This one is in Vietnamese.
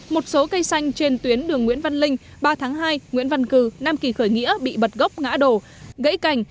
một số cây xanh trên tuyến đường nguyễn văn linh ba tháng hai nguyễn văn cử nam kỳ khởi nghĩa bị bật gốc ngã đổ gãy cành